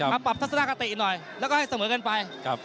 ปรับทัศนคติหน่อยแล้วก็ให้เสมอกันไป